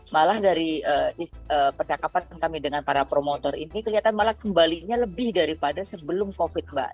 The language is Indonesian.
malah dari percakapan kami dengan para promotor ini kelihatan malah kembalinya lebih daripada sebelum covid mbak